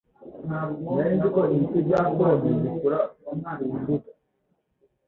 Sinari nzi ko ibiti bya pome bikura ku mbuto